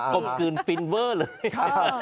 กลมกลืนฟิลเวอร์เลย